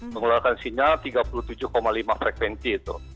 mengeluarkan sinyal tiga puluh tujuh lima frekuensi itu